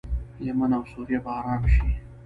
یمن او سوریه به ارام شي.